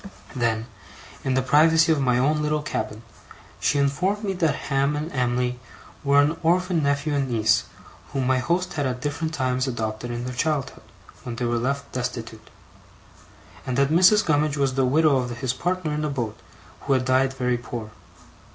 Then, in the privacy of my own little cabin, she informed me that Ham and Em'ly were an orphan nephew and niece, whom my host had at different times adopted in their childhood, when they were left destitute: and that Mrs. Gummidge was the widow of his partner in a boat, who had died very poor.